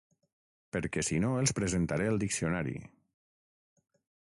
Perquè si no els presentaré el diccionari.